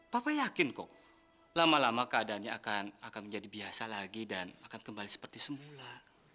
papa yakin kok lama lama keadaannya akan menjadi biasa lagi dan akan kembali seperti semula